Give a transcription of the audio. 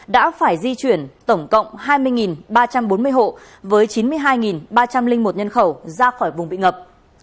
đã phải di chuyển tổng cộng hai mươi ba trăm bốn mươi hộ với chín mươi hai ba trăm linh một nhân khẩu ra khỏi vùng bị ngập